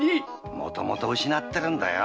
もともと失ってるんだよ。